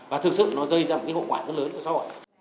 và thực sự nó rơi ra một cái hộ quả rất lớn